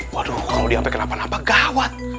waduh kalau dia sampai kenapa napa gawat